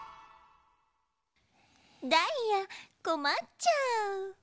ダイヤこまっちゃう。